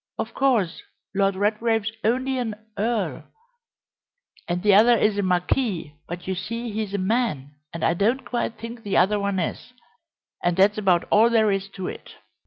Of course, Lord Redgrave's only an earl, and the other is a marquis, but, you see, he's a man, and I don't quite think the other one is and that's about all there is to it."